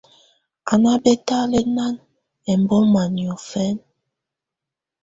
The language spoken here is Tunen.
Á ná bɛ́tánɛ́la ɛmbɔ́má niɔ̀fɛna.